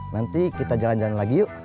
nanti kita jalan jalan lagi yuk